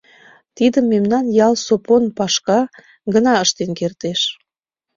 Тидым мемнан ял Сопон Пашка гына ыштен кертеш.